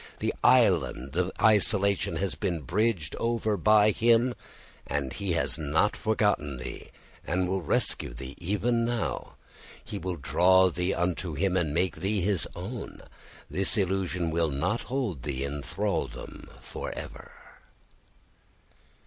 This island of isolation has been bridged over by him, and he has not forgotten thee, and will rescue thee even now. He will draw thee unto him and make thee his own. This illusion will not hold thee in thraldom for ever."